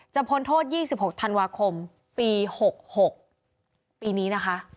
พ้นโทษ๒๖ธันวาคมปี๖๖ปีนี้นะคะ